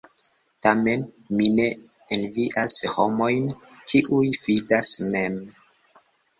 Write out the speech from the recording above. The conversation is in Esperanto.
Tamen mi ne envias homojn, kiuj fidas mem.